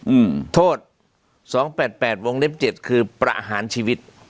อืมโทษสองแปดแปดวงเล็บเจ็ดคือประหารชีวิต